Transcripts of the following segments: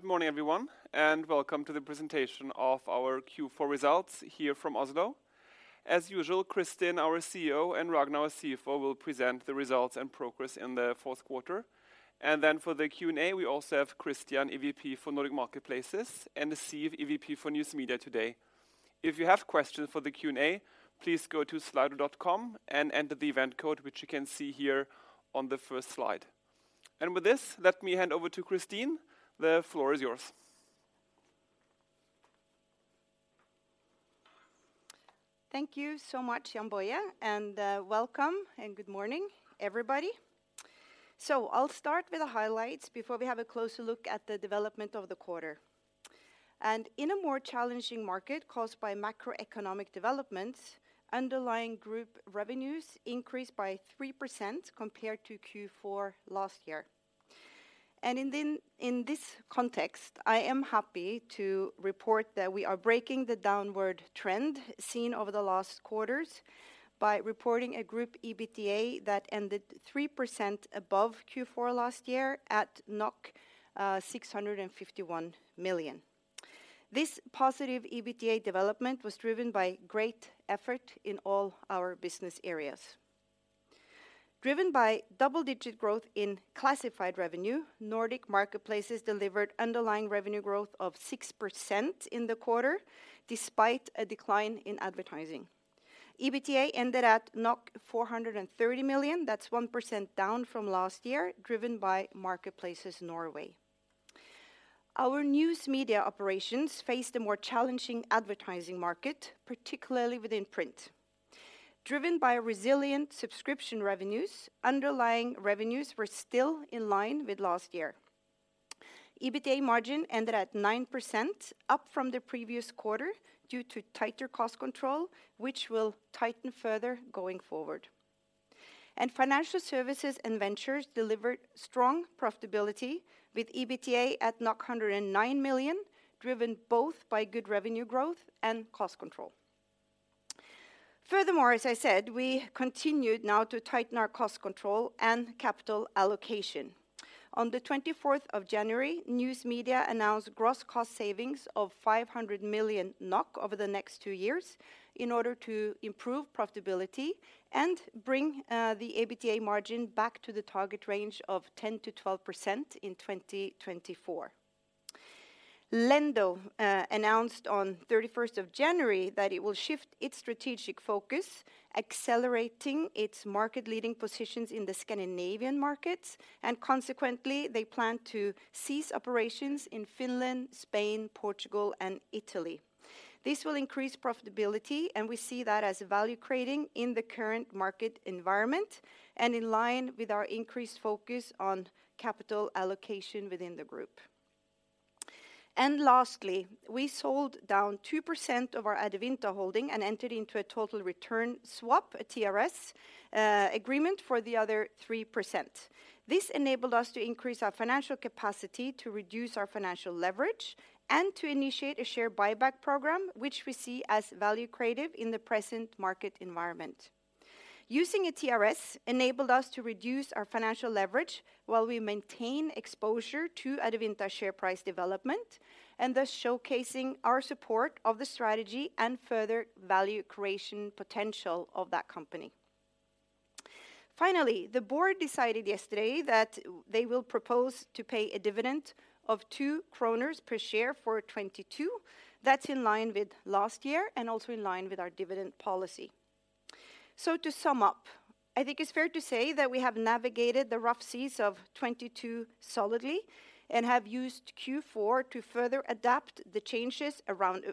Good morning everyone, welcome to the presentation of our Q4 results here from Oslo. As usual, Kristin, our CEO, and Ragnar, our CFO, will present the results and progress in the fourth quarter. For the Q&A, we also have Christian, EVP for Nordic Marketplaces, and Steve, EVP for News Media today. If you have questions for the Q&A, please go to slido.com and enter the event code, which you can see here on the first slide. With this, let me hand over to Kristin. The floor is yours. Thank you so much, Jann-Boje, welcome and good morning, everybody. I'll start with the highlights before we have a closer look at the development of the quarter. In this context, I am happy to report that we are breaking the downward trend seen over the last quarters by reporting a group EBITDA that ended 3% above Q4 last year at 651 million. This positive EBITDA development was driven by great effort in all our business areas. Driven by double-digit growth in classified revenue, Nordic Marketplaces delivered underlying revenue growth of 6% in the quarter, despite a decline in advertising. EBITDA ended at 430 million. That's 1% down from last year, driven by Marketplaces Norway. Our News Media operations faced a more challenging advertising market, particularly within print. Driven by resilient subscription revenues, underlying revenues were still in line with last year. EBITDA margin ended at 9%, up from the previous quarter due to tighter cost control, which will tighten further going forward. Financial Services and Ventures delivered strong profitability with EBITDA at 109 million, driven both by good revenue growth and cost control. Furthermore, as I said, we continued now to tighten our cost control and capital allocation. On the 24th of January, News Media announced gross cost savings of 500 million NOK over the next 2 years in order to improve profitability and bring the EBITDA margin back to the target range of 10%-12% in 2024. Lendo announced on 31st of January that it will shift its strategic focus, accelerating its market-leading positions in the Scandinavian markets, and consequently, they plan to cease operations in Finland, Spain, Portugal, and Italy. This will increase profitability, and we see that as value-creating in the current market environment and in line with our increased focus on capital allocation within the group. Lastly, we sold down 2% of our AdeAdevinta holding and entered into a total return swap, a TRS, agreement for the other 3%. This enabled us to increase our financial capacity to reduce our financial leverage and to initiate a share buyback program, which we see as value creative in the present market environment. Using a TRS enabled us to reduce our financial leverage while we maintain exposure to AdeAdevinta share price development and thus showcasing our support of the strategy and further value creation potential of that company. Finally, the board decided yesterday that they will propose to pay a dividend of 2 kroner per share for 2022. That's in line with last year and also in line with our dividend policy. To sum up, I think it's fair to say that we have navigated the rough seas of 2022 solidly and have used Q4 to further adapt to the changes around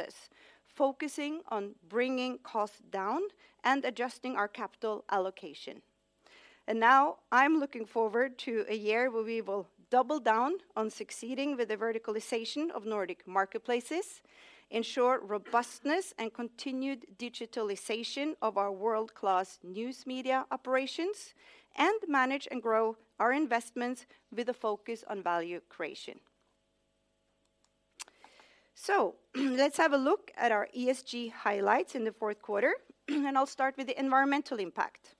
us, focusing on bringing costs down and adjusting our capital allocation. Now I'm looking forward to a year where we will double down on succeeding with the verticalization of Nordic Marketplaces, ensure robustness and continued digitalization of our world-class News Media operations, and manage and grow our investments with a focus on value creation. Let's have a look at our ESG highlights in the fourth quarter, and I'll start with the environmental impact.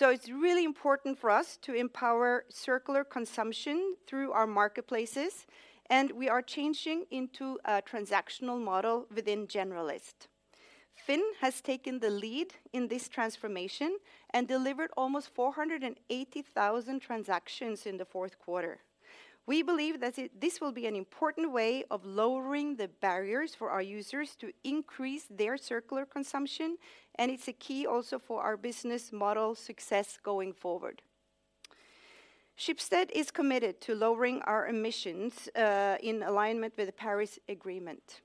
It's really important for us to empower circular consumption through our marketplaces, and we are changing into a transactional model within Generalist. FINN has taken the lead in this transformation and delivered almost 480,000 transactions in the fourth quarter. We believe that this will be an important way of lowering the barriers for our users to increase their circular consumption, and it's a key also for our business model success going forward. Schibsted is committed to lowering our emissions in alignment with the Paris Agreement.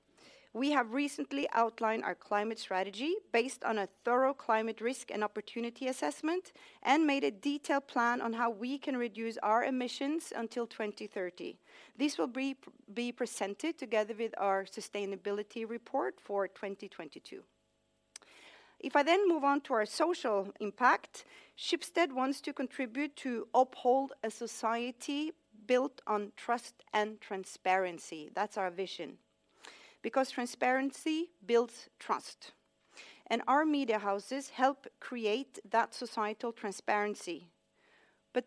We have recently outlined our climate strategy based on a thorough climate risk and opportunity assessment and made a detailed plan on how we can reduce our emissions until 2030. This will be presented together with our sustainability report for 2022. If I move on to our social impact, Schibsted wants to contribute to uphold a society built on trust and transparency. That's our vision. Transparency builds trust and our media houses help create that societal transparency.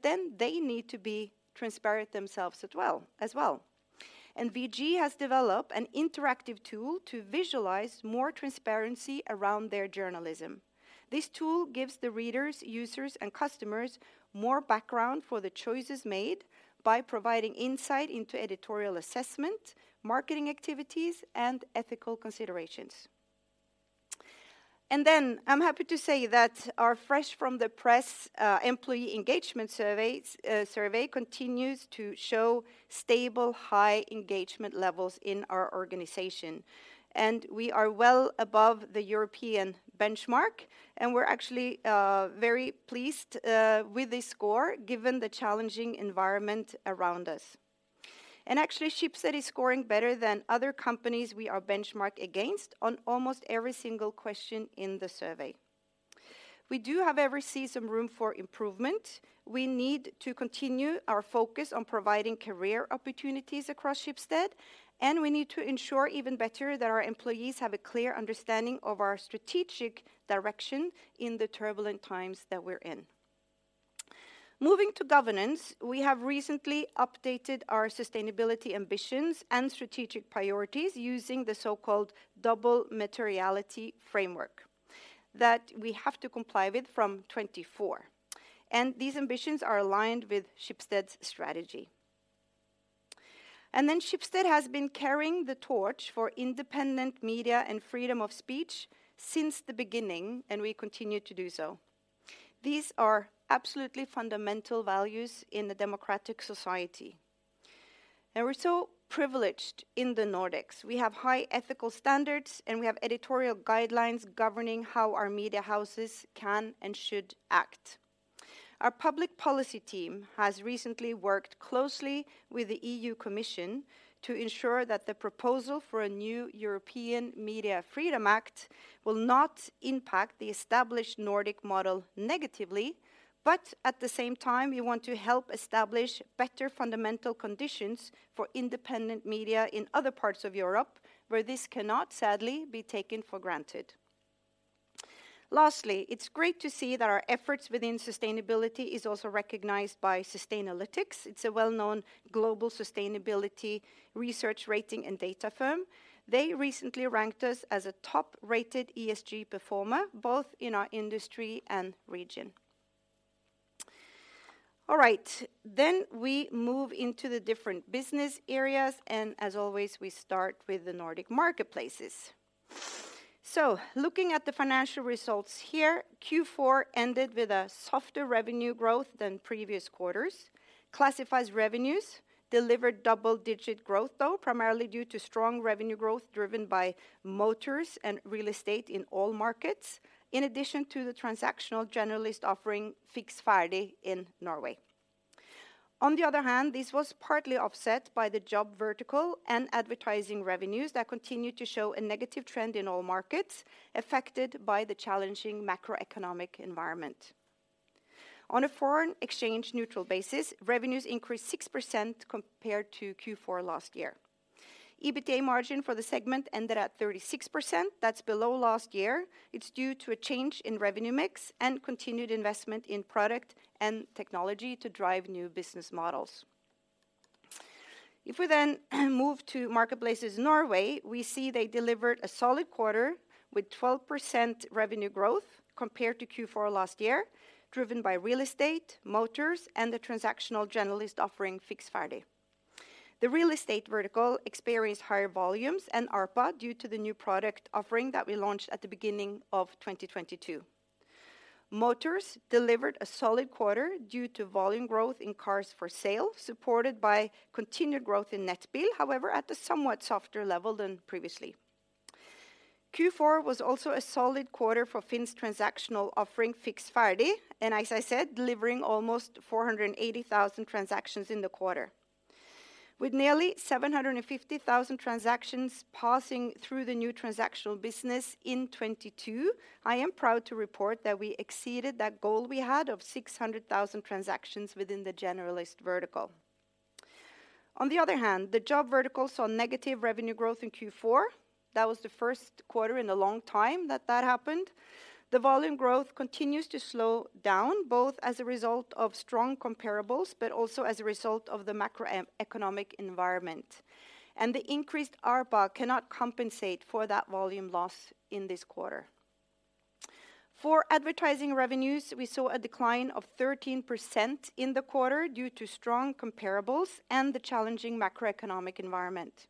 They need to be transparent themselves as well. VG has developed an interactive tool to visualize more transparency around their journalism. This tool gives the readers, users, and customers more background for the choices made by providing insight into editorial assessment, marketing activities, and ethical considerations. I'm happy to say that our Fresh From the Press Employee Engagement survey continues to show stable high engagement levels in our organization, and we are well above the European benchmark, and we're actually very pleased with the score given the challenging environment around us. Schibsted is scoring better than other companies we are benchmarked against on almost every single question in the survey. We do however see some room for improvement. We need to continue our focus on providing career opportunities across Schibsted, and we need to ensure even better that our employees have a clear understanding of our strategic direction in the turbulent times that we're in. Moving to governance, we have recently updated our sustainability ambitions and strategic priorities using the so-called double materiality framework that we have to comply with from 2024, these ambitions are aligned with Schibsted's strategy. Schibsted has been carrying the torch for independent media and freedom of speech since the beginning, and we continue to do so. These are absolutely fundamental values in the democratic society, and we're so privileged in the Nordics. We have high ethical standards, and we have editorial guidelines governing how our media houses can and should act. Our public policy team has recently worked closely with the EU Commission to ensure that the proposal for a new European Media Freedom Act will not impact the established Nordic model negatively. At the same time, we want to help establish better fundamental conditions for independent media in other parts of Europe where this cannot, sadly, be taken for granted. Lastly, it's great to see that our efforts within sustainability is also recognized by Sustainalytics. It's a well-known global sustainability research rating and data firm. They recently ranked us as a top-rated ESG performer, both in our industry and region. All right, we move into the different business areas, and as always, we start with the Nordic Marketplaces. Looking at the financial results here, Q4 ended with a softer revenue growth than previous quarters. Classifieds revenues delivered double-digit growth, though, primarily due to strong revenue growth driven by motors and real estate in all markets, in addition to the transactional generalist offering, Fiks Ferdig, in Norway. This was partly offset by the job vertical and advertising revenues that continued to show a negative trend in all markets affected by the challenging macroeconomic environment. On a foreign exchange neutral basis, revenues increased 6% compared to Q4 last year. EBITDA margin for the segment ended at 36%. That's below last year. It's due to a change in revenue mix and continued investment in product and technology to drive new business models. We then move to Marketplaces Norway, we see they delivered a solid quarter with 12% revenue growth compared to Q4 last year, driven by real estate, motors, and the transactional generalist offering, Fiks ferdig. The real estate vertical experienced higher volumes and ARPA due to the new product offering that we launched at the beginning of 2022. Motors delivered a solid quarter due to volume growth in cars for sale, supported by continued growth in Nettbil, however, at a somewhat softer level than previously. Q4 was also a solid quarter for FINN's transactional offering, Fiks ferdig, As I said, delivering almost 480,000 transactions in the quarter. With nearly 750,000 transactions passing through the new transactional business in 2022, I am proud to report that we exceeded that goal we had of 600,000 transactions within the generalist vertical. The other hand, the job vertical saw negative revenue growth in Q4. That was the first quarter in a long time that that happened. The volume growth continues to slow down, both as a result of strong comparables but also as a result of the macroeconomic environment. The increased ARPA cannot compensate for that volume loss in this quarter. For advertising revenues, we saw a decline of 13% in the quarter due to strong comparables and the challenging macroeconomic environment.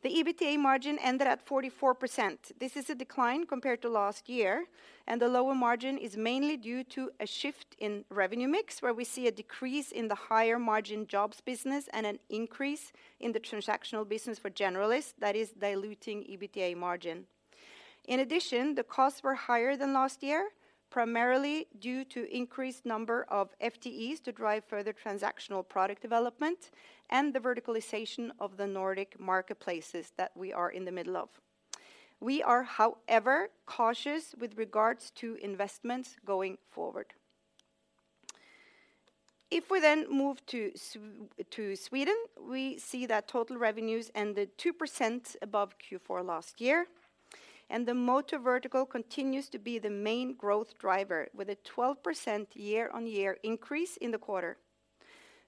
The EBITDA margin ended at 44%. This is a decline compared to last year, and the lower margin is mainly due to a shift in revenue mix, where we see a decrease in the higher margin jobs business and an increase in the transactional business for generalists that is diluting EBITDA margin. In addition, the costs were higher than last year, primarily due to increased number of FTEs to drive further transactional product development and the verticalization of the Nordic Marketplaces that we are in the middle of. We are, however, cautious with regards to investments going forward. If we then move to Sweden, we see that total revenues ended 2% above Q4 last year. The motor vertical continues to be the main growth driver with a 12% year-on-year increase in the quarter.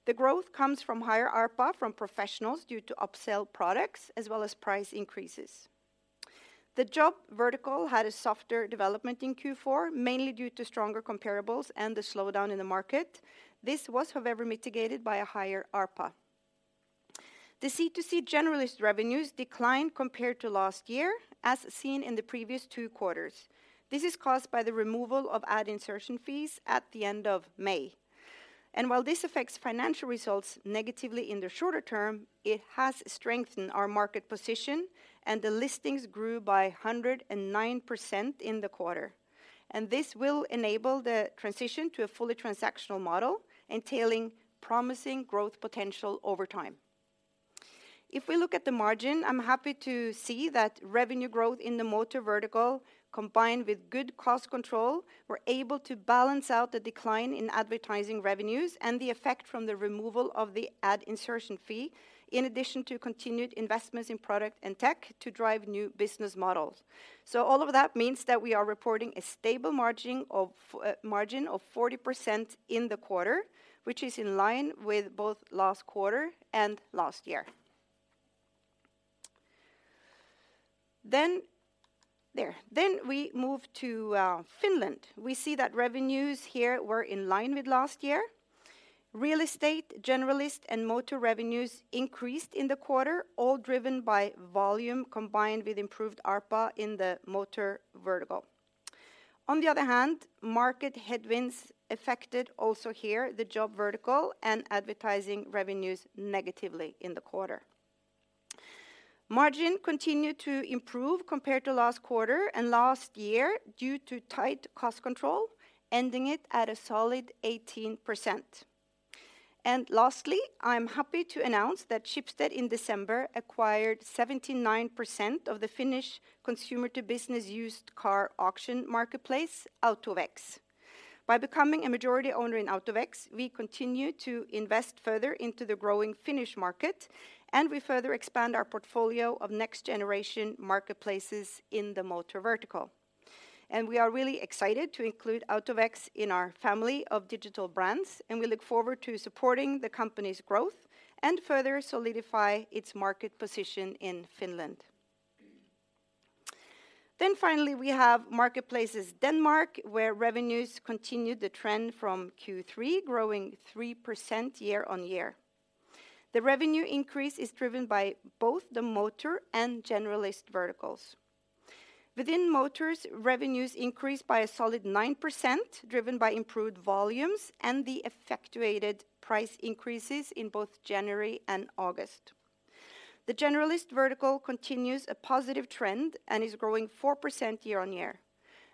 The growth comes from higher ARPA from professionals due to upsell products as well as price increases. The job vertical had a softer development in Q4, mainly due to stronger comparables and the slowdown in the market. This was, however, mitigated by a higher ARPA. The C2C generalist revenues declined compared to last year, as seen in the previous two quarters. This is caused by the removal of ad insertion fees at the end of May. While this affects financial results negatively in the shorter term, it has strengthened our market position, and the listings grew by 109% in the quarter. This will enable the transition to a fully transactional model, entailing promising growth potential over time. If we look at the margin, I'm happy to see that revenue growth in the motor vertical, combined with good cost control, were able to balance out the decline in advertising revenues and the effect from the removal of the ad insertion fee, in addition to continued investments in product and tech to drive new business models. All of that means that we are reporting a stable margin of 40% in the quarter, which is in line with both last quarter and last year. There. We move to Finland. We see that revenues here were in line with last year. Real estate, generalist, and motor revenues increased in the quarter, all driven by volume combined with improved ARPA in the motor vertical. On the other hand, market headwinds affected also here the job vertical and advertising revenues negatively in the quarter. Margin continued to improve compared to last quarter and last year due to tight cost control, ending it at a solid 18%. Lastly, I'm happy to announce that Schibsted in December acquired 79% of the Finnish C2B used car auction marketplace, AutoVex. By becoming a majority owner in AutoVex, we continue to invest further into the growing Finnish market, and we further expand our portfolio of next generation marketplaces in the motor vertical. We are really excited to include AutoVex in our family of digital brands, and we look forward to supporting the company's growth and further solidify its market position in Finland. Finally, we have Marketplaces Denmark, where revenues continued the trend from Q3, growing 3% year-over-year. The revenue increase is driven by both the motor and generalist verticals. Within motors, revenues increased by a solid 9%, driven by improved volumes and the effectuated price increases in both January and August. The generalist vertical continues a positive trend and is growing 4% year-over-year.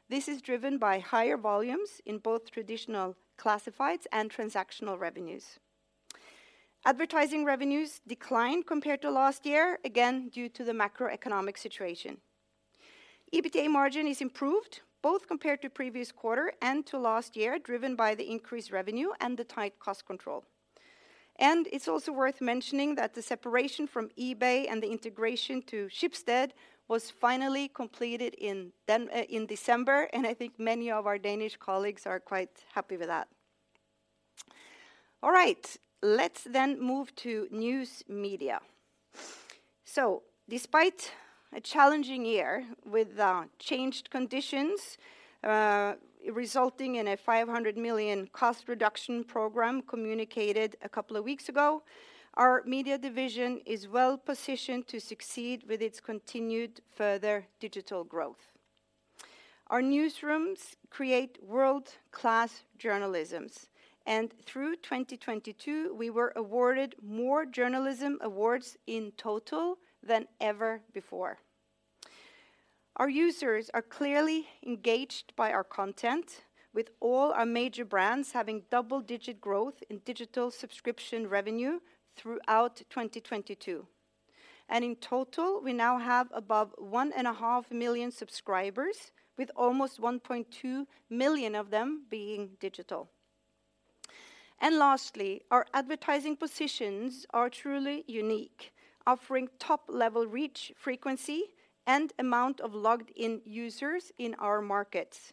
This is driven by higher volumes in both traditional classifieds and transactional revenues. Advertising revenues declined compared to last year, again due to the macroeconomic situation. EBITDA margin is improved, both compared to previous quarter and to last year, driven by the increased revenue and the tight cost control. It's also worth mentioning that the separation from eBay and the integration to Schibsted was finally completed in December, and I think many of our Danish colleagues are quite happy with that. All right. Let's move to News Media. Despite a challenging year with changed conditions, resulting in a 500 million cost reduction program communicated a couple of weeks ago, our News Media division is well positioned to succeed with its continued further digital growth. Our newsrooms create world-class journalisms, through 2022, we were awarded more journalism awards in total than ever before. Our users are clearly engaged by our content, with all our major brands having double-digit growth in digital subscription revenue throughout 2022. In total, we now have above 1.5 million subscribers, with almost 1.2 million of them being digital. Lastly, our advertising positions are truly unique, offering top-level reach frequency and amount of logged-in users in our markets.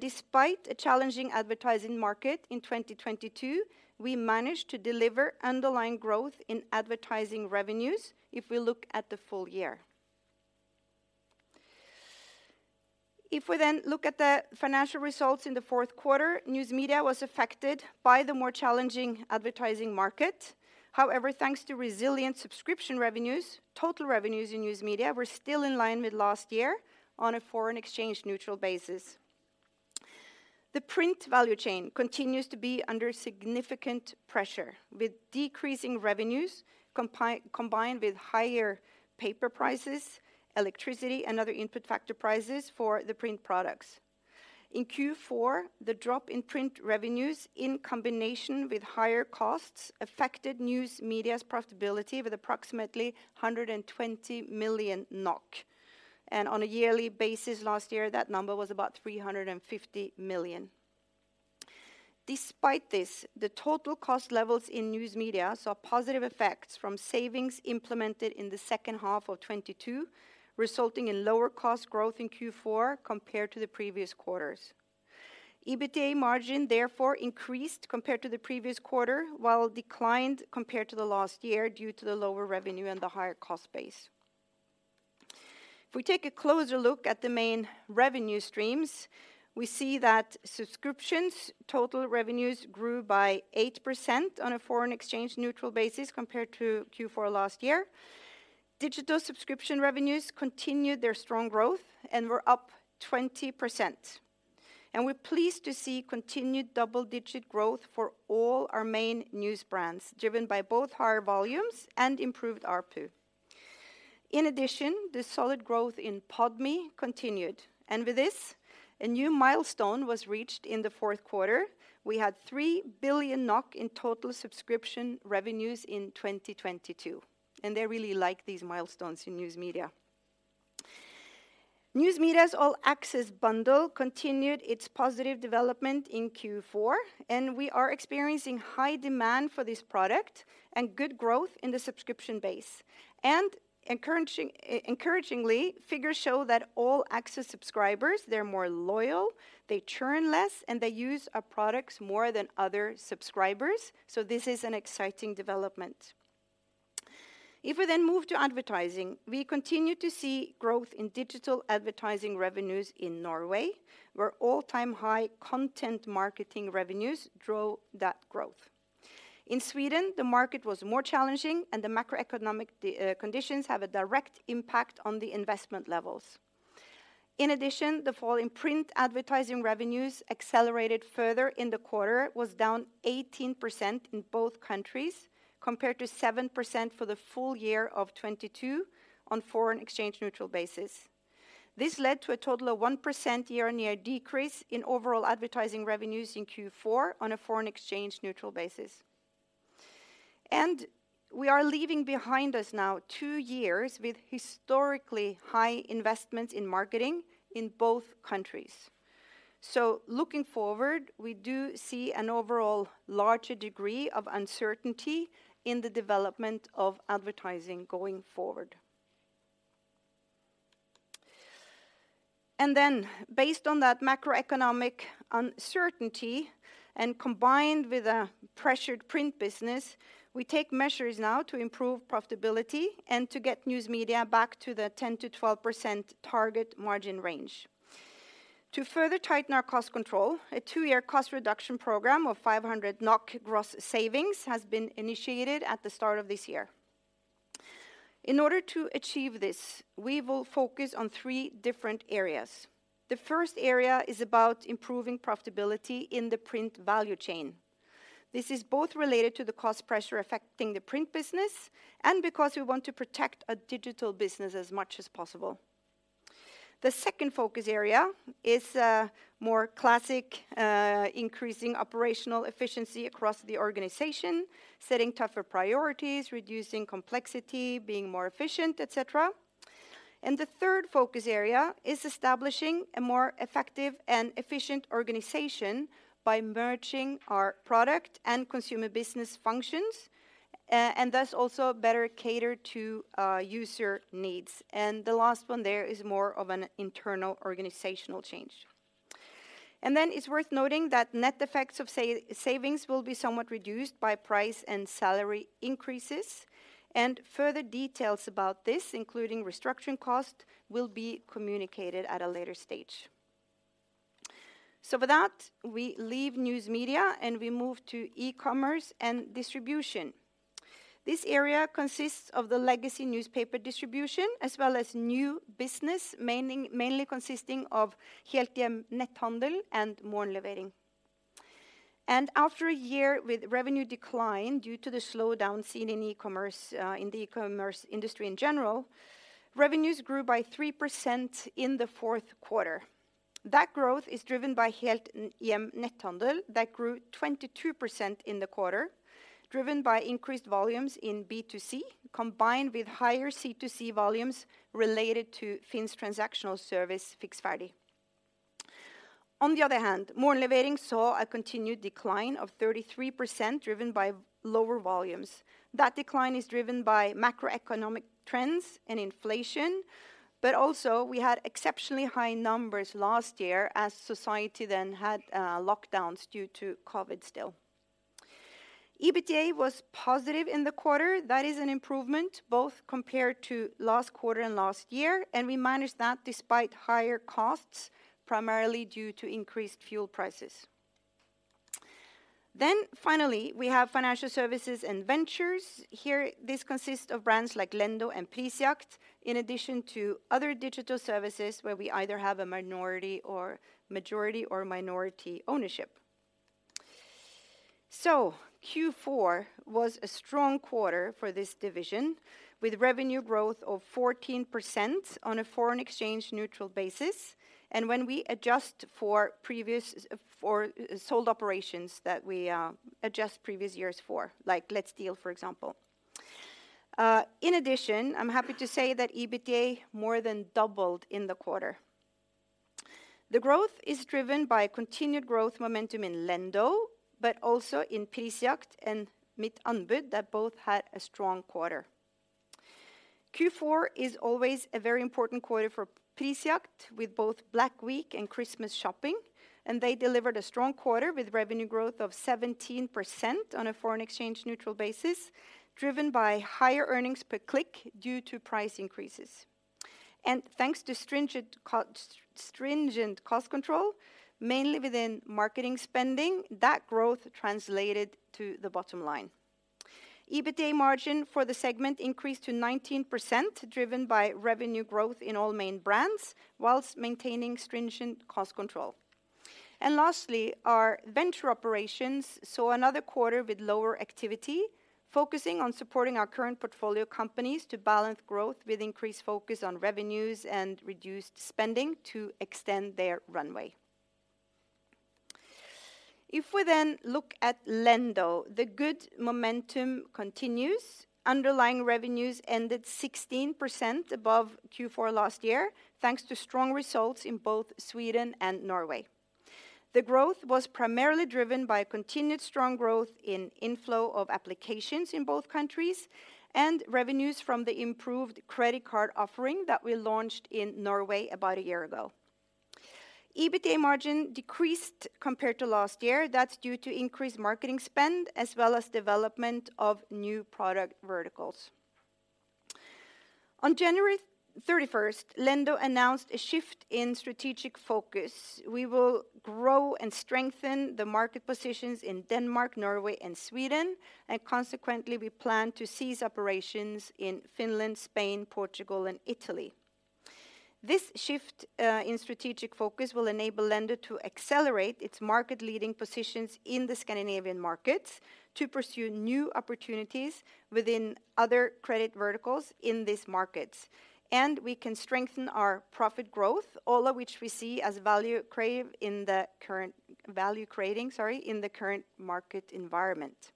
Despite a challenging advertising market in 2022, we managed to deliver underlying growth in advertising revenues if we look at the full year. If we look at the financial results in the fourth quarter, News Media was affected by the more challenging advertising market. However, thanks to resilient subscription revenues, total revenues in News Media were still in line with last year on a foreign exchange neutral basis. The print value chain continues to be under significant pressure, with decreasing revenues combined with higher paper prices, electricity, and other input factor prices for the print products. In Q4, the drop in print revenues in combination with higher costs affected News Media's profitability with approximately 120 million NOK. On a yearly basis last year, that number was about 350 million. Despite this, the total cost levels in News Media saw positive effects from savings implemented in the second half of 2022, resulting in lower cost growth in Q4 compared to the previous quarters. EBITDA margin therefore increased compared to the previous quarter, while declined compared to the last year due to the lower revenue and the higher cost base. If we take a closer look at the main revenue streams, we see that subscriptions total revenues grew by 8% on a foreign exchange neutral basis compared to Q4 last year. Digital subscription revenues continued their strong growth and were up 20%. We're pleased to see continued double-digit growth for all our main news brands, driven by both higher volumes and improved ARPU. The solid growth in PodMe continued and with this, a new milestone was reached in Q4. We had 3 billion NOK in total subscription revenues in 2022, they really like these milestones in News Media. News Media's All Access bundle continued its positive development in Q4, we are experiencing high demand for this product and good growth in the subscription base. Encouragingly, figures show that All Access subscribers, they're more loyal, they churn less, and they use our products more than other subscribers, this is an exciting development. If we then move to advertising, we continue to see growth in digital advertising revenues in Norway, where all-time high content marketing revenues drove that growth. In Sweden, the market was more challenging the macroeconomic conditions have a direct impact on the investment levels. In addition, the fall in print advertising revenues accelerated further in the quarter, was down 18% in both countries compared to 7% for the full year of 2022 on foreign exchange neutral basis. This led to a total of 1% year-on-year decrease in overall advertising revenues in Q4 on a foreign exchange neutral basis. We are leaving behind us now two years with historically high investments in marketing in both countries. Looking forward, we do see an overall larger degree of uncertainty in the development of advertising going forward. Based on that macroeconomic uncertainty and combined with a pressured print business, we take measures now to improve profitability and to get News Media back to the 10%-12% target margin range. To further tighten our cost control, a two-year cost reduction program of 500 NOK gross savings has been initiated at the start of this year. In order to achieve this, we will focus on 3 different areas. The first area is about improving profitability in the print value chain. This is both related to the cost pressure affecting the print business and because we want to protect our digital business as much as possible. The second focus area is more classic, increasing operational efficiency across the organization, setting tougher priorities, reducing complexity, being more efficient, et cetera. The third focus area is establishing a more effective and efficient organization by merging our product and consumer business functions, and thus also better cater to user needs. The last one there is more of an internal organizational change. It's worth noting that net effects of savings will be somewhat reduced by price and salary increases, and further details about this, including restructuring costs, will be communicated at a later stage. With that, we leave News Media and we move to e-commerce and Distribution. This area consists of the legacy newspaper distribution as well as new business, mainly consisting of Helthjem Netthandel and Morgenlevering. After a year with revenue decline due to the slowdown seen in e-commerce, in the e-commerce industry in general, revenues grew by 3% in the fourth quarter. That growth is driven by Helthjem Netthandel that grew 22% in the quarter, driven by increased volumes in B2C, combined with higher C2C volumes related to FINN's transactional service, Fiks ferdig. On the other hand, Morgenlevering saw a continued decline of 33%, driven by lower volumes. That decline is driven by macroeconomic trends and inflation, we had exceptionally high numbers last year as society then had lockdowns due to COVID still. EBITDA was positive in the quarter. That is an improvement both compared to last quarter and last year, we managed that despite higher costs, primarily due to increased fuel prices. Finally, we have Financial Services and Ventures. Here, this consists of brands like Lendo and Prisjakt, in addition to other digital services where we either have a minority or majority ownership. Q4 was a strong quarter for this division, with revenue growth of 14% on a foreign exchange neutral basis and when we adjust for previous sold operations that we adjust previous years for, like LetsDeal, for example. In addition, I'm happy to say that EBITDA more than doubled in the quarter. The growth is driven by a continued growth momentum in Lendo, also in Prisjakt and Mittanbud that both had a strong quarter. Q4 is always a very important quarter for Prisjakt with both Black Week and Christmas shopping. They delivered a strong quarter with revenue growth of 17% on a foreign exchange neutral basis, driven by higher earnings per click due to price increases. Thanks to stringent cost control, mainly within marketing spending, that growth translated to the bottom line. EBITDA margin for the segment increased to 19%, driven by revenue growth in all main brands whilst maintaining stringent cost control. Lastly, our venture operations saw another quarter with lower activity, focusing on supporting our current portfolio companies to balance growth with increased focus on revenues and reduced spending to extend their runway. If we then look at Lendo, the good momentum continues. Underlying revenues ended 16% above Q4 last year, thanks to strong results in both Sweden and Norway. The growth was primarily driven by a continued strong growth in inflow of applications in both countries and revenues from the improved credit card offering that we launched in Norway about a year ago. EBITDA margin decreased compared to last year. That's due to increased marketing spend as well as development of new product verticals. On January 31st, Lendo announced a shift in strategic focus. We will grow and strengthen the market positions in Denmark, Norway and Sweden, and consequently, we plan to cease operations in Finland, Spain, Portugal and Italy. This shift in strategic focus will enable Lendo to accelerate its market-leading positions in the Scandinavian markets to pursue new opportunities within other credit verticals in these markets. We can strengthen our profit growth, all of which we see as value creating, sorry, in the current market environment.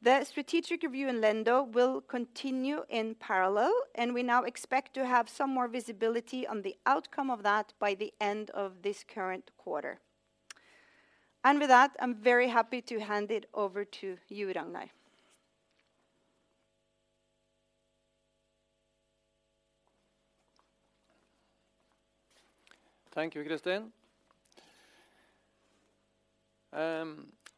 The strategic review in Lendo will continue in parallel. We now expect to have some more visibility on the outcome of that by the end of this current quarter. With that, I'm very happy to hand it over to you, Ragnar. Thank you, Kristin.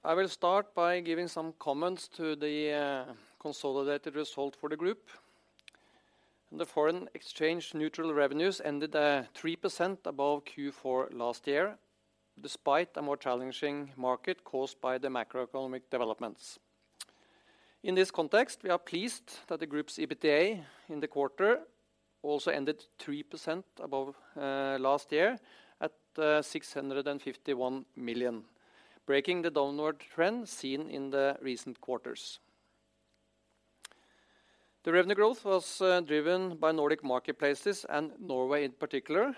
I will start by giving some comments to the consolidated result for the group. The foreign exchange neutral revenues ended 3% above Q4 last year, despite a more challenging market caused by the macroeconomic developments. In this context, we are pleased that the group's EBITDA in the quarter also ended 3% above last year at 651 million, breaking the downward trend seen in the recent quarters. The revenue growth was driven by Nordic Marketplaces and Norway in particular,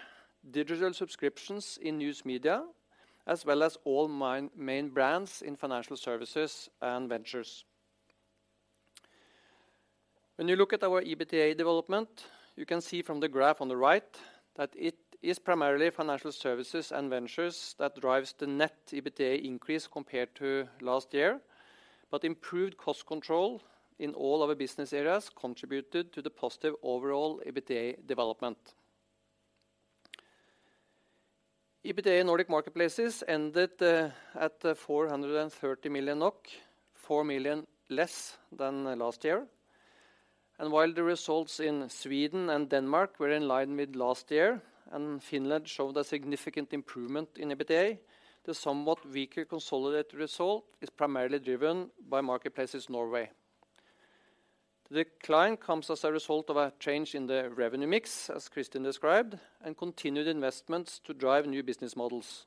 digital subscriptions in News Media, as well as all main brands in Financial Services and Ventures. When you look at our EBITDA development, you can see from the graph on the right that it is primarily Financial Services and Ventures that drives the net EBITDA increase compared to last year, but improved cost control in all of our business areas contributed to the positive overall EBITDA development. EBITDA in Nordic Marketplaces ended at 430 million NOK, 4 million less than last year. While the results in Sweden and Denmark were in line with last year and Finland showed a significant improvement in EBITDA, the somewhat weaker consolidated result is primarily driven by Marketplaces Norway. The decline comes as a result of a change in the revenue mix, as Kristin described, and continued investments to drive new business models.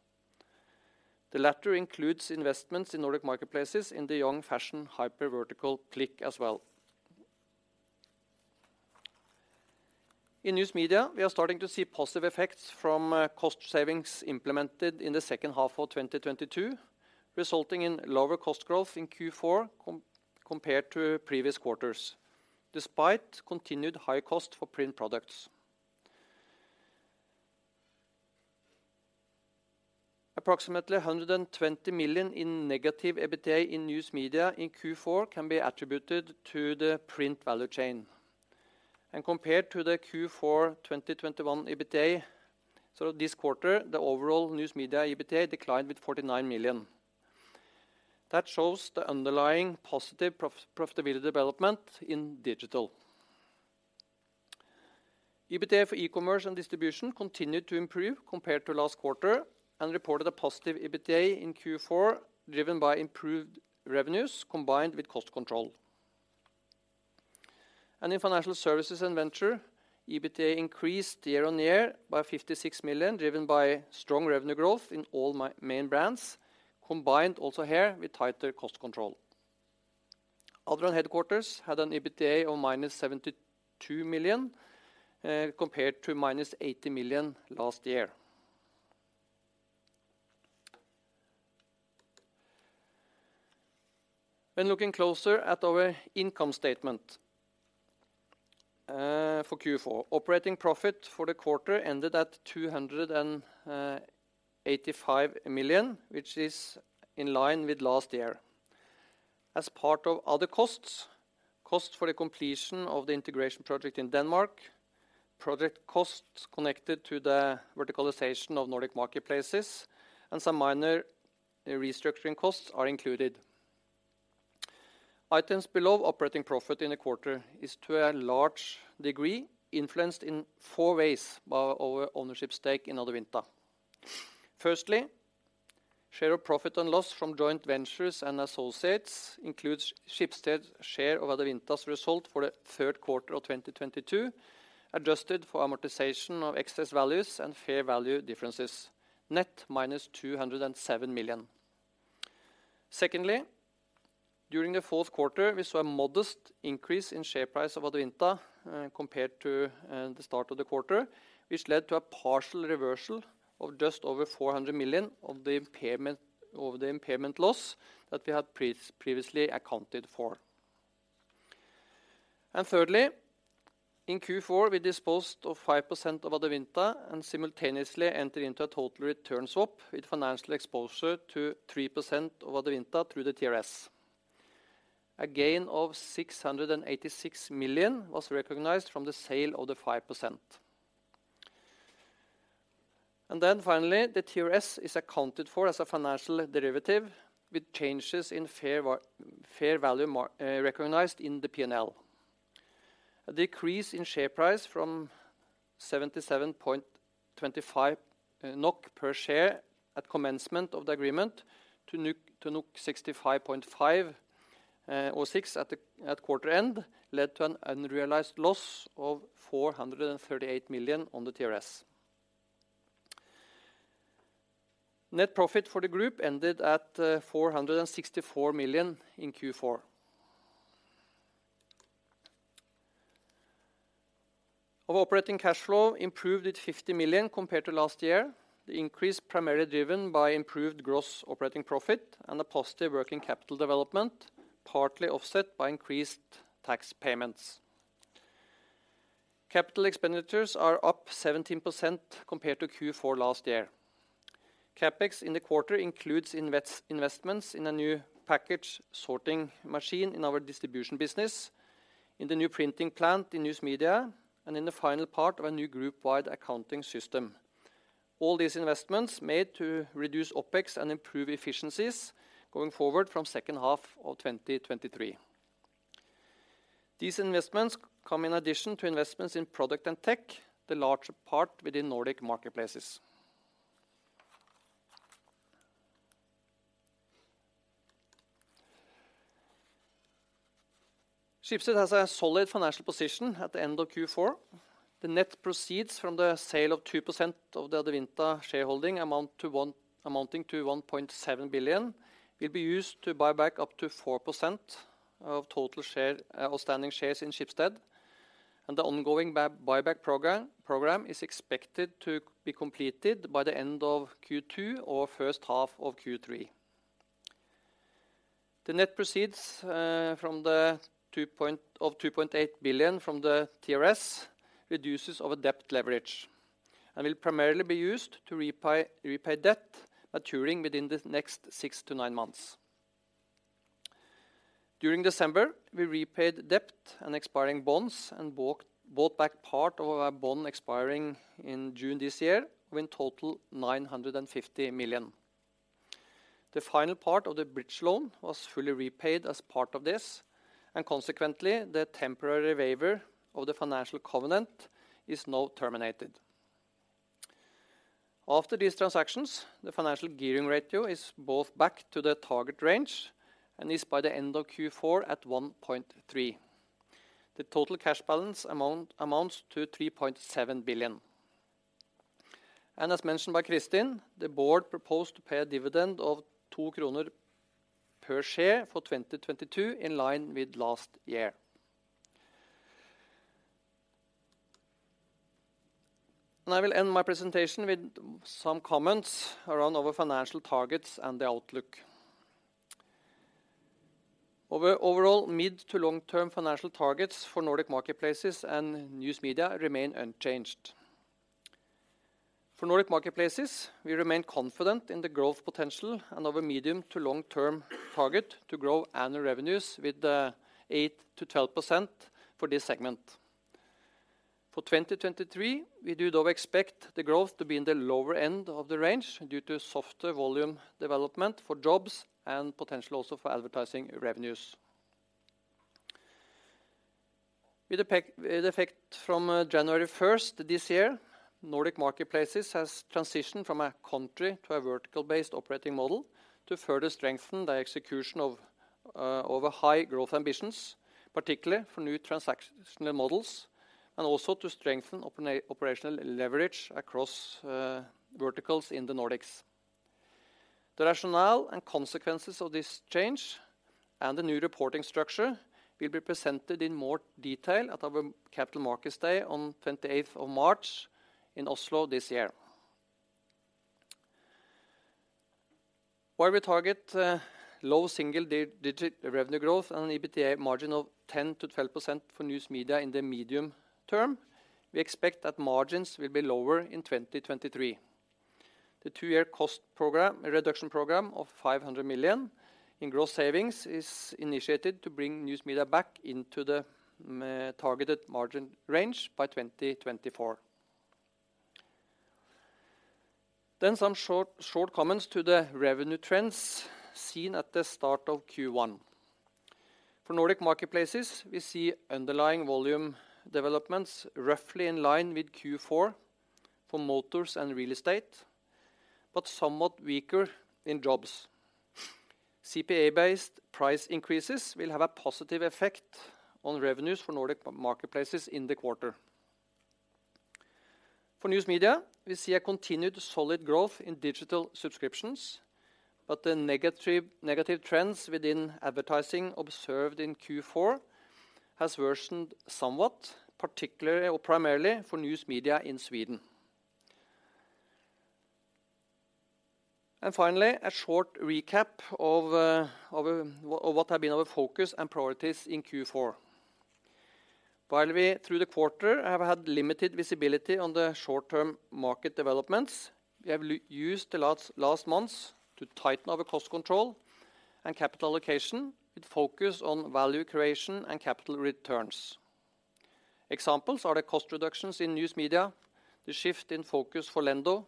The latter includes investments in Nordic Marketplaces in the young fashion hypervertical Klik as well. In News Media, we are starting to see positive effects from cost savings implemented in the second half of 2022, resulting in lower cost growth in Q4 compared to previous quarters, despite continued high cost for print products. Approximately 120 million in negative EBITDA in News Media in Q4 can be attributed to the print value chain. Compared to the Q4 2021 EBITDA, so this quarter, the overall News Media EBITDA declined with 49 million. That shows the underlying positive profitability development in digital. EBITDA for E-commerce and Distribution continued to improve compared to last quarter and reported a positive EBITDA in Q4, driven by improved revenues combined with cost control. In Financial Services and Venture, EBITDA increased year-on-year by 56 million, driven by strong revenue growth in all main brands, combined also here with tighter cost control. AdeAdevinta Headquarters had an EBITDA of minus 72 million compared to minus 80 million last year. Looking closer at our income statement for Q4, operating profit for the quarter ended at 285 million, which is in line with last year. As part of other costs for the completion of the integration project in Denmark, project costs connected to the verticalization of Nordic Marketplaces, and some minor restructuring costs are included. Items below operating profit in the quarter is, to a large degree, influenced in four ways by our ownership stake in AdeAdevinta. Firstly, share of profit and loss from joint ventures and associates includes Schibsted's share of AdeAdevinta's result for the third quarter of 2022, adjusted for amortization of excess values and fair value differences. Net minus 207 million. Secondly, during the fourth quarter, we saw a modest increase in share price of AdeAdevinta compared to the start of the quarter, which led to a partial reversal of just over 400 million of the impairment loss that we had previously accounted for. Thirdly, in Q4, we disposed of 5% of AdeAdevinta and simultaneously entered into a total return swap with financial exposure to 3% of AdeAdevinta through the TRS. A gain of 686 million was recognized from the sale of the 5%. Finally, the TRS is accounted for as a financial derivative, with changes in fair value recognized in the P&L. A decrease in share price from 77.25 NOK per share at commencement of the agreement to 65.5 or 6 at quarter end led to an unrealized loss of 438 million on the TRS. Net profit for the group ended at 464 million in Q4. Our operating cash flow improved at 50 million compared to last year. The increase primarily driven by improved gross operating profit and a positive working capital development, partly offset by increased tax payments. Capital expenditures are up 17% compared to Q4 last year. CapEx in the quarter includes investments in a new package sorting machine in our distribution business, in the new printing plant in News Media, and in the final part of a new group-wide accounting system. All these investments made to reduce OpEx and improve efficiencies going forward from second half of 2023. These investments come in addition to investments in product and tech, the larger part within Nordic Marketplaces. Schibsted has a solid financial position at the end of Q4. The net proceeds from the sale of 2% of the AdeAdevinta shareholding amounting to 1.7 billion will be used to buy back up to 4% of total outstanding shares in Schibsted, the ongoing buyback program is expected to be completed by the end of Q2 or first half of Q3. The net proceeds from 2.8 billion from the TRS reduces our debt leverage and will primarily be used to repay debt maturing within the next 6 to 9 months. During December, we repaid debt and expiring bonds and bought back part of our bond expiring in June this year with total 950 million. The final part of the bridge loan was fully repaid as part of this, consequently, the temporary waiver of the financial covenant is now terminated. After these transactions, the financial gearing ratio is both back to the target range and is by the end of Q4 at 1.3. The total cash balance amounts to 3.7 billion. As mentioned by Kristin, the board proposed to pay a dividend of 2 kroner per share for 2022, in line with last year. I will end my presentation with some comments around our financial targets and the outlook. Our overall mid to long-term financial targets for Nordic Marketplaces and News Media remain unchanged. For Nordic Marketplaces, we remain confident in the growth potential and our medium to long-term target to grow annual revenues with 8%-12% for this segment. For 2023, we do, though, expect the growth to be in the lower end of the range due to softer volume development for jobs and potentially also for advertising revenues. With effect from January 1st this year, Nordic Marketplaces has transitioned from a country to a vertical-based operating model to further strengthen the execution of our high growth ambitions, particularly for new transactional models, and also to strengthen operational leverage across verticals in the Nordics. The rationale and consequences of this change. The new reporting structure will be presented in more detail at our Capital Markets Day on March 28th in Oslo this year. While we target low single-digit revenue growth and an EBITDA margin of 10%-12% for News Media in the medium term, we expect that margins will be lower in 2023. The two-year cost reduction program of 500 million in gross savings is initiated to bring News Media back into the targeted margin range by 2024. Some short comments to the revenue trends seen at the start of Q1. For Nordic Marketplaces, we see underlying volume developments roughly in line with Q4 for motors and real estate, but somewhat weaker in jobs. CPA-based price increases will have a positive effect on revenues for Nordic Marketplaces in the quarter. For News Media, we see a continued solid growth in digital subscriptions, the negative trends within advertising observed in Q4 has worsened somewhat, particularly or primarily for News Media in Sweden. Finally, a short recap of what have been our focus and priorities in Q4. While we, through the quarter, have had limited visibility on the short-term market developments, we have used the last months to tighten our cost control and capital allocation with focus on value creation and capital returns. Examples are the cost reductions in News Media, the shift in focus for Lendo,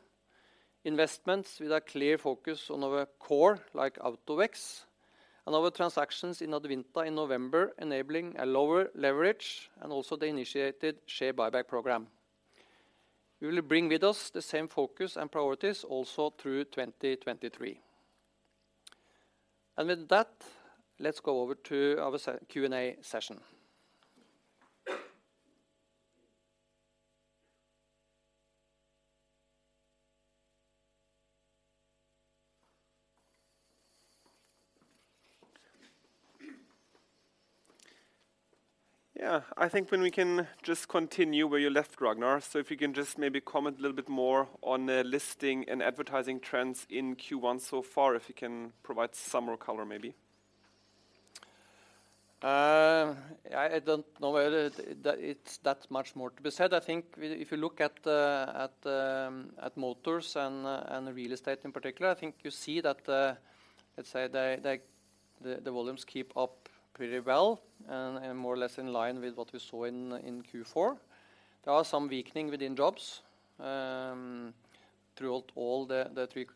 investments with a clear focus on our core, like AutoVex, and our transactions in AdeAdevinta in November enabling a lower leverage, and also the initiated share buyback program. We will bring with us the same focus and priorities also through 2023. With that, let's go over to our Q&A session. Yeah. I think when we can just continue where you left, Ragnar. If you can just maybe comment a little bit more on the listing and advertising trends in Q1 so far, if you can provide some more color maybe? I don't know whether it's that much more to be said. I think if you look at motors and real estate in particular, I think you see that, let's say the volumes keep up pretty well and more or less in line with what we saw in Q4. There are some weakening within jobs throughout all the three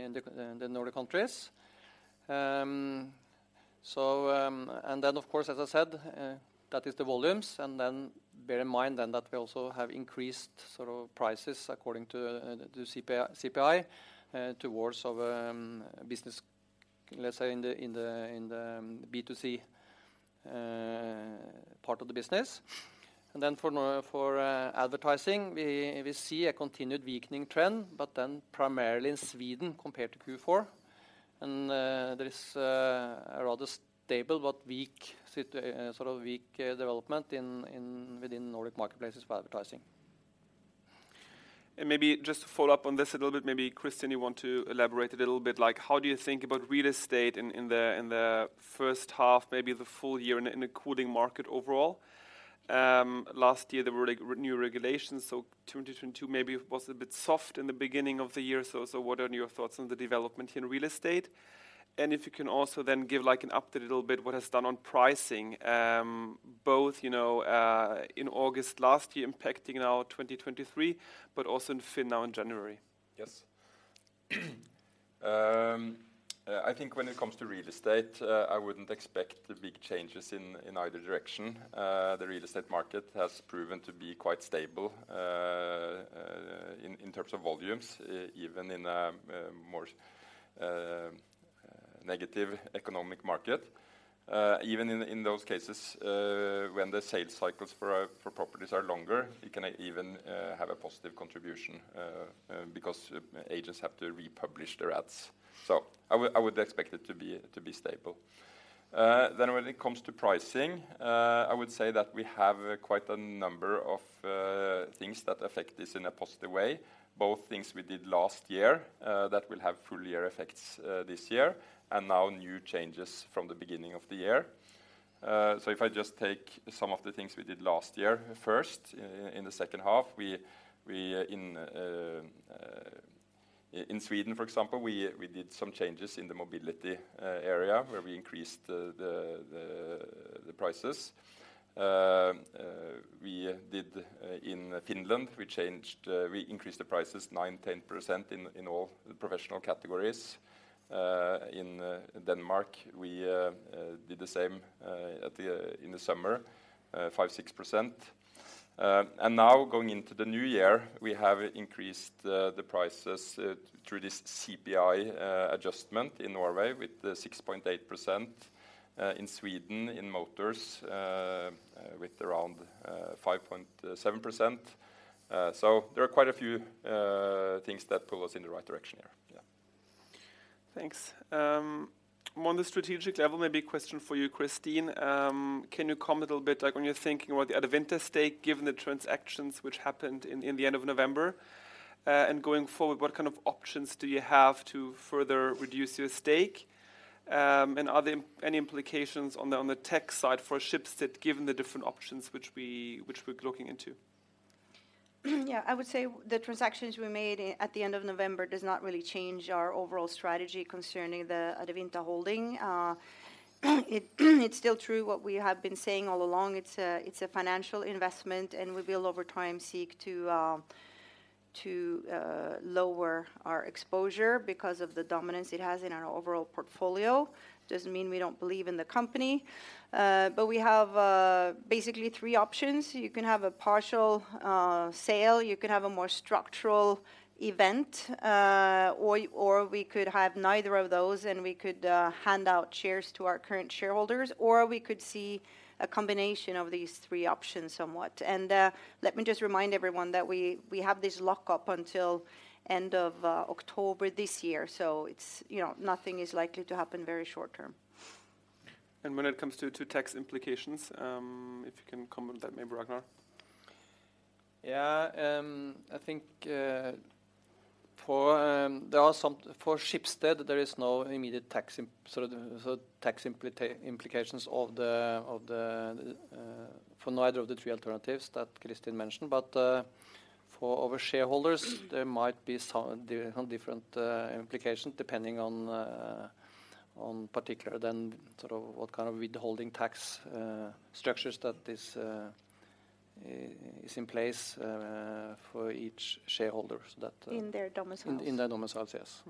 in the Nordic countries. Of course, as I said, that is the volumes. Bear in mind that we also have increased sort of prices according to CPI towards our business, let's say in the B2C part of the business. For advertising, we see a continued weakening trend, but then primarily in Sweden compared to Q4. There is a rather stable but weak sort of weak development within Nordic Marketplaces for advertising. Maybe just to follow up on this a little bit, maybe Christian you want to elaborate a little bit, like how do you think about real estate in the first half, maybe the full year in a cooling market overall? Last year there were, like, new regulations, so 2022 maybe was a bit soft in the beginning of the year. What are your thoughts on the development in real estate? If you can also then give, like, an update a little bit what has done on pricing, both, you know, in August last year impacting now 2023, but also in FINN now in January. Yes. I think when it comes to real estate, I wouldn't expect the big changes in either direction. The real estate market has proven to be quite stable in terms of volumes, even in a more negative economic market. Even in those cases, when the sales cycles for properties are longer, it can even have a positive contribution because agents have to republish their ads. I would expect it to be stable. When it comes to pricing, I would say that we have quite a number of things that affect this in a positive way, both things we did last year that will have full year effects this year, and now new changes from the beginning of the year. If I just take some of the things we did last year first. In the second half, we in Sweden, for example, we did some changes in the mobility area where we increased the prices. We did in Finland, we changed, we increased the prices 9-10% in all the professional categories. In Denmark, we did the same in the summer, 5-6%. Now going into the new year, we have increased the prices through this CPI adjustment in Norway with the 6.8%. In Sweden, in motors, with around 5.7%. There are quite a few things that pull us in the right direction here. Yeah. Thanks. On the strategic level, maybe a question for you, Kristin. Can you comment a little bit, like when you're thinking about the AdeAdevinta stake, given the transactions which happened in the end of November, and going forward, what kind of options do you have to further reduce your stake? Are there any implications on the tech side for Schibsted given the different options which we're looking into? I would say the transactions we made at the end of November does not really change our overall strategy concerning the AdeAdevinta holding. It's still true what we have been saying all along. It's a financial investment, and we will over time seek to lower our exposure because of the dominance it has in our overall portfolio. Doesn't mean we don't believe in the company, but we have basically three options. You can have a partial sale, you could have a more structural event, or we could have neither of those, and we could hand out shares to our current shareholders, or we could see a combination of these three options somewhat. Let me just remind everyone that we have this lockup until end of October this year. It's, you know, nothing is likely to happen very short term. When it comes to tax implications, if you can comment on that, maybe Ragnar? I think for Schibsted, there is no immediate tax implications for neither of the three alternatives that Kristin mentioned. For our shareholders, there might be, you know, different implications depending on particular then sort of what kind of withholding tax structures that is in place for each shareholder that. In their domiciles. in their domiciles, yes.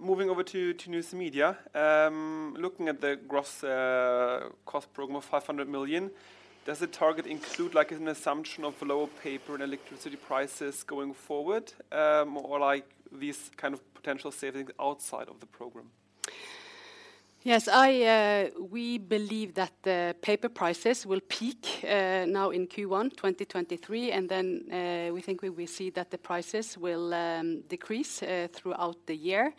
Moving over to News Media, looking at the gross cost program of 500 million, does the target include like an assumption of lower paper and electricity prices going forward, or like these kind of potential savings outside of the program? Yes. I We believe that the paper prices will peak now in Q1 2023. Then we think we will see that the prices will decrease throughout the year.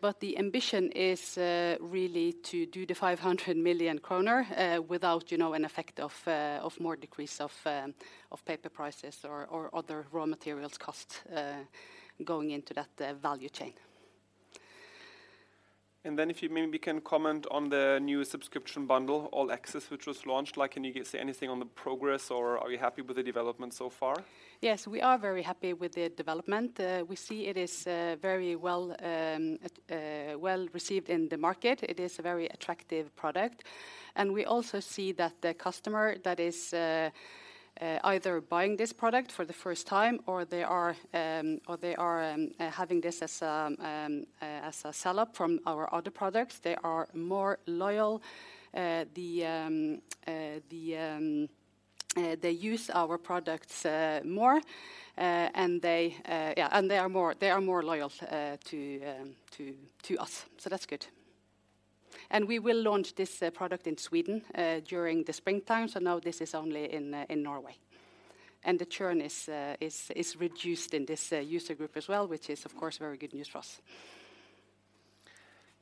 But the ambition is really to do the 500 million kroner without, you know, an effect of more decrease of paper prices or other raw materials costs going into that value chain. If you maybe can comment on the new subscription bundle, All Access, which was launched. Like, can you say anything on the progress, or are you happy with the development so far? Yes, we are very happy with the development. We see it is very well received in the market. It is a very attractive product. We also see that the customer that is either buying this product for the first time or they are having this as a sell-up from our other products, they are more loyal. They use our products more. They are more loyal to us. That's good. We will launch this product in Sweden during the springtime. Now this is only in Norway. The churn is reduced in this user group as well, which is of course very good news for us.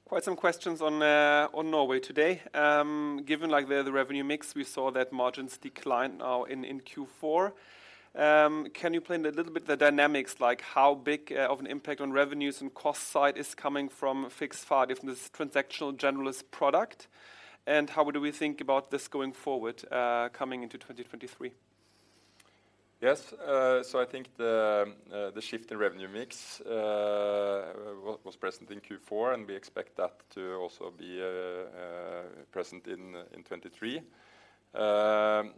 Quite some questions on Norway today. Given like the revenue mix, we saw that margins declined now in Q4. Can you explain a little bit the dynamics, like how big of an impact on revenues and cost side is coming from Fiks ferdig from this transactional generalist product? How do we think about this going forward, coming into 2023? Yes. I think the shift in revenue mix was present in Q4, and we expect that to also be present in 2023. To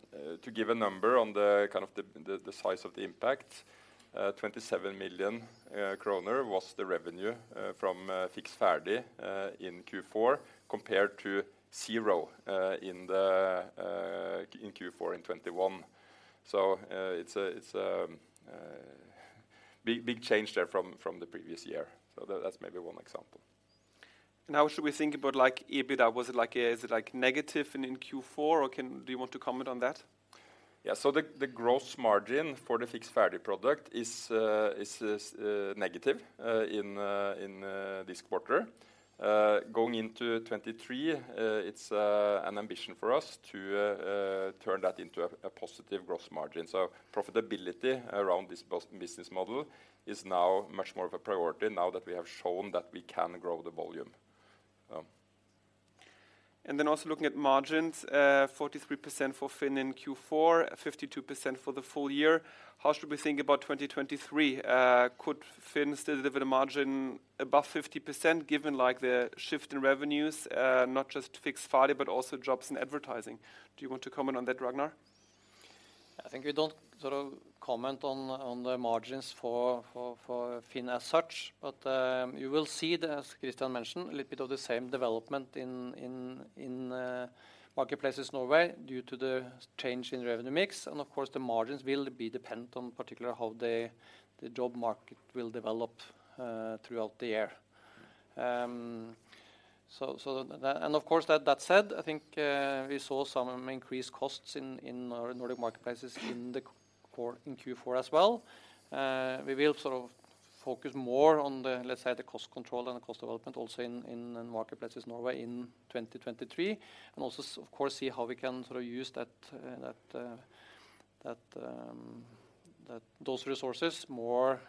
give a number on the kind of the size of the impact, 27 million kroner was the revenue from Fiks ferdig in Q4 compared to 0 in Q4 in 2021. It's a big change there from the previous year. That's maybe one example. How should we think about EBITDA? Was it negative in Q4, or do you want to comment on that? The gross margin for the Fiks ferdig product is negative in this quarter. Going into 2023, it's an ambition for us to turn that into a positive gross margin. Profitability around this business model is now much more of a priority now that we have shown that we can grow the volume. Also looking at margins, 43% for FINN in Q4, 52% for the full year. How should we think about 2023? Could FINN still deliver the margin above 50% given like the shift in revenues, not just Fiks ferdig, but also drops in advertising? Do you want to comment on that, Ragnar? I think we don't sort of comment on the margins for FINN as such. You will see, as Christian mentioned, a little bit of the same development in Marketplaces Norway due to the change in revenue mix. Of course, the margins will be dependent on particular how the job market will develop throughout the year. That said, I think we saw some increased costs in our Nordic Marketplaces in Q4 as well. We will sort of focus more on the, let's say, the cost control and the cost development also in Marketplaces Norway in 2023. Of course, see how we can sort of use that. those resources more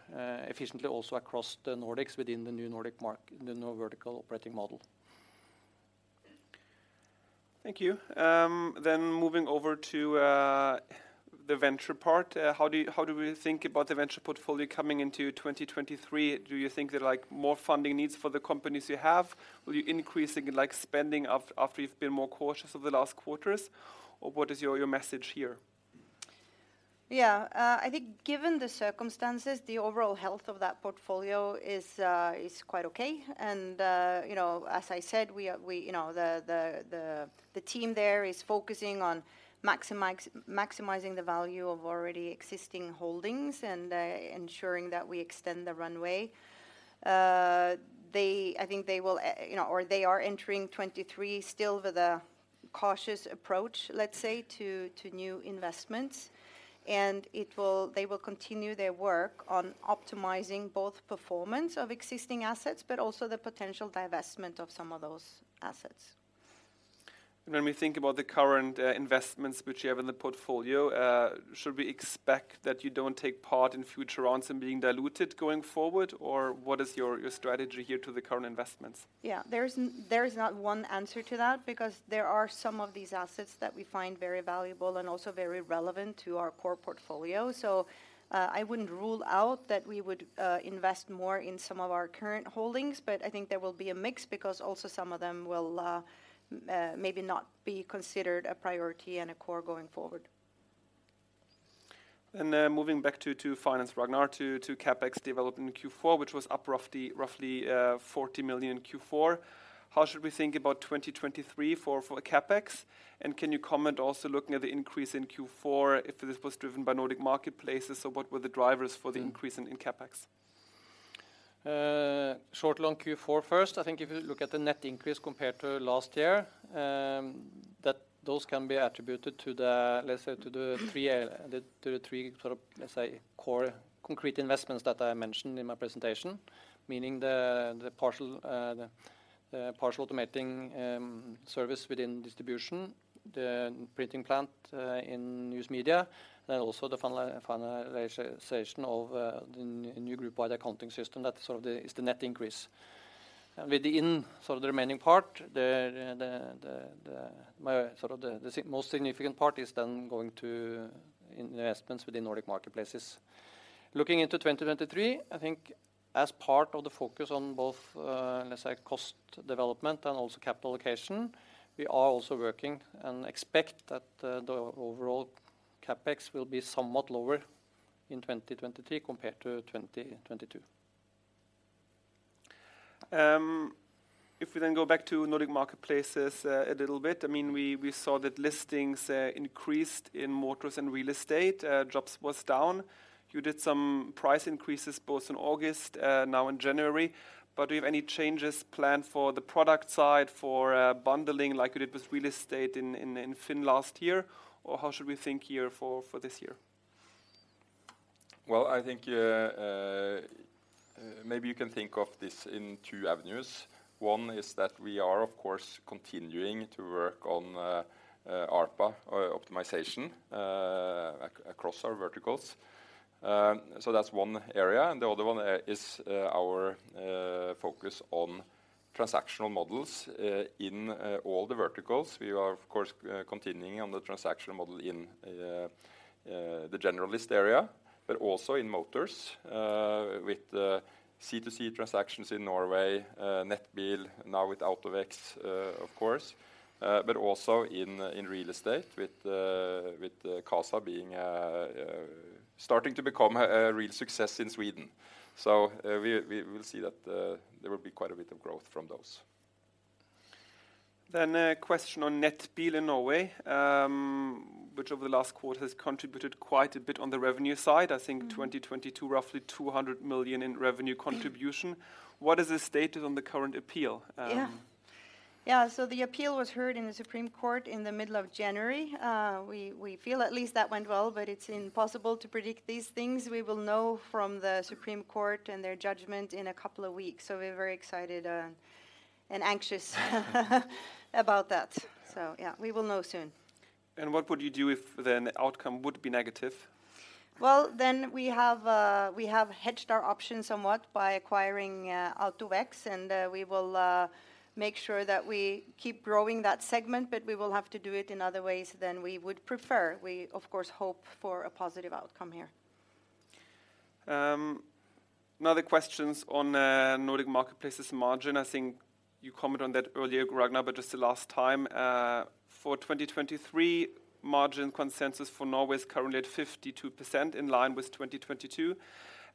efficiently also across the Nordics within the new vertical operating model. Thank you. Moving over to the venture part. How do we think about the venture portfolio coming into 2023? Do you think that, like, more funding needs for the companies you have? Will you increasing, like, spending after you've been more cautious over the last quarters? What is your message here? Yeah. I think given the circumstances, the overall health of that portfolio is quite okay. You know, as I said, we, you know, the team there is focusing on maximizing the value of already existing holdings and ensuring that we extend the runway. They, I think they will, you know, or they are entering 2023 still with a cautious approach, let's say, to new investments. They will continue their work on optimizing both performance of existing assets but also the potential divestment of some of those assets. When we think about the current investments which you have in the portfolio, should we expect that you don't take part in future rounds and being diluted going forward? Or what is your strategy here to the current investments? Yeah. There's not one answer to that because there are some of these assets that we find very valuable and also very relevant to our core portfolio. I wouldn't rule out that we would invest more in some of our current holdings, but I think there will be a mix because also some of them will maybe not be considered a priority and a core going forward. Moving back to finance, Ragnar, to CapEx development in Q4, which was up roughly 40 million in Q4. How should we think about 2023 for CapEx? Can you comment also looking at the increase in Q4 if this was driven by Nordic Marketplaces? What were the drivers for the increase in CapEx? Short along Q4 first, I think if you look at the net increase compared to last year, that those can be attributed to the, let's say, to the 3 sort of, let's say, core concrete investments that I mentioned in my presentation. Meaning the partial automating service within distribution, the printing plant in News Media, and also the finalization of the new group wide accounting system that sort of the, is the net increase. Within sort of the remaining part, the most significant part is then going to investments within Nordic Marketplaces. Looking into 2023, I think as part of the focus on both, let's say, cost development and also capital allocation, we are also working and expect that the overall CapEx will be somewhat lower in 2023 compared to 2022. If we go back to Nordic Marketplaces a little bit, we saw that listings increased in motors and real estate. Drops was down. You did some price increases both in August, now in January. Do you have any changes planned for the product side for bundling like you did with real estate in FINN last year? How should we think here for this year? Well, I think, maybe you can think of this in two avenues. One is that we are, of course, continuing to work on ARPA optimization across our verticals. That's one area. The other one is our focus on transactional models in all the verticals. We are, of course, continuing on the transactional model in the generalist area, but also in motors with the C2C transactions in Norway, Nettbil now with AutoVex, of course. But also in real estate with Qasa being starting to become a real success in Sweden. We will see that there will be quite a bit of growth from those. A question on Nettbil in Norway, which over the last quarter has contributed quite a bit on the revenue side. Mm... 2022, roughly 200 million in revenue contribution. What is the status on the current appeal? Yeah. The appeal was heard in the Supreme Court in the middle of January. We feel at least that went well, but it's impossible to predict these things. We will know from the Supreme Court and their judgment in a couple of weeks. We're very excited and anxious about that. Yeah, we will know soon. What would you do if then the outcome would be negative? We have hedged our options somewhat by acquiring AutoVex, and we will make sure that we keep growing that segment. We will have to do it in other ways than we would prefer. We, of course, hope for a positive outcome here. Now the questions on Nordic Marketplaces margin. I think you commented on that earlier, Ragnar, but just the last time. For 2023, margin consensus for Norway is currently at 52%, in line with 2022.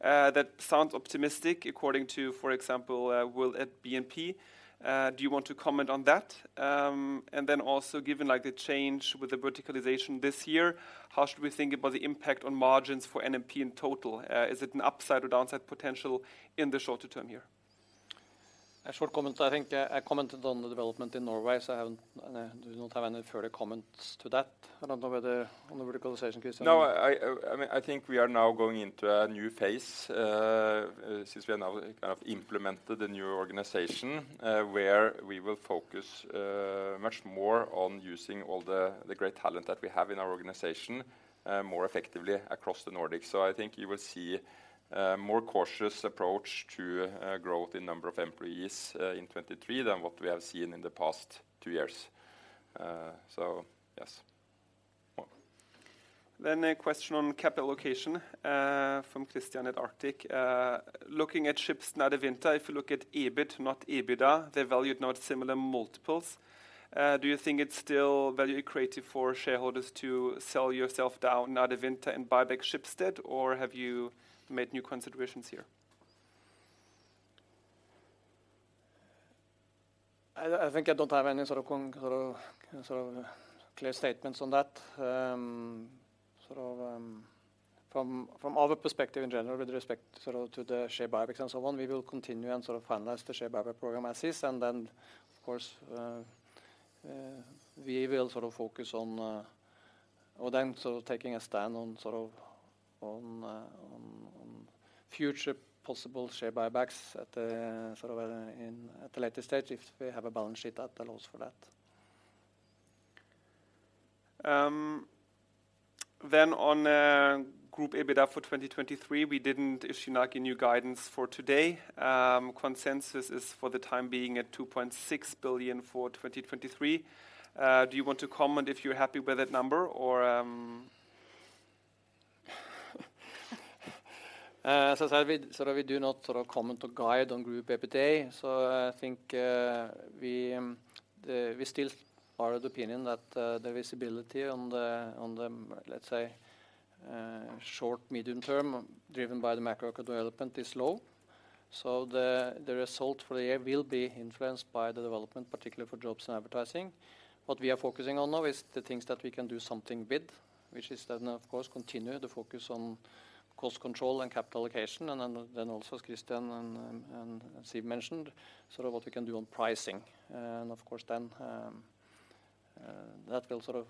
That sounds optimistic according to, for example, Will at BNP. Do you want to comment on that? Also given, like, the change with the verticalization this year, how should we think about the impact on margins for NMP in total? Is it an upside or downside potential in the shorter term here? A short comment. I think I commented on the development in Norway, I do not have any further comments to that. I don't know whether on the verticalization, Kristin. No, I mean, I think we are now going into a new phase, since we are now kind of implemented a new organization, where we will focus much more on using all the great talent that we have in our organization more effectively across the Nordics. I think you will see a more cautious approach to growth in number of employees in 2023 than what we have seen in the past two years. Yes. A question on capital allocation from Christian at Arctic. Looking at Schibsted and Adevinta, if you look at EBIT, not EBITDA, they're valued not similar multiples. Do you think it's still value accretive for shareholders to sell yourself down at Adevinta and buy back Schibsted, or have you made new considerations here? I think I don't have any sort of clear statements on that. Sort of, from our perspective in general, with respect sort of to the share buybacks and so on, we will continue and sort of finalize the share buyback program as is. Then of course, we will sort of focus on then sort of taking a stand on sort of, on future possible share buybacks at sort of at a later stage if we have a balance sheet that allows for that. on group EBITDA for 2023, we didn't issue like a new guidance for today. Consensus is for the time being at 2.6 billion for 2023. Do you want to comment if you're happy with that number or? As I said, we sort of, we do not sort of comment or guide on group EBITDA. I think, we still are of the opinion that the visibility on the, let's say, short-medium term driven by the macro development is low. The result for the year will be influenced by the development, particularly for jobs and advertising. What we are focusing on now is the things that we can do something with, which is then of course continue the focus on cost control and capital allocation and then also Christian and Steve mentioned sort of what we can do on pricing. Of course then, that will sort of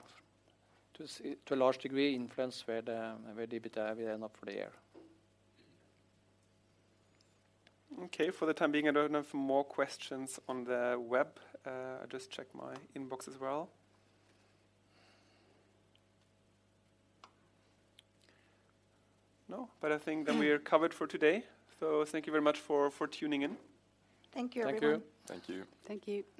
to a large degree influence where the EBITDA will end up for the year. Okay. For the time being, I don't have more questions on the web. I'll just check my inbox as well. I think then we are covered for today. Thank you very much for tuning in. Thank you, everyone. Thank you. Thank you. Thank you.